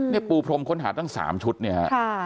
ปูพรมค้นหาตั้ง๓ชุดเนี่ยฮะ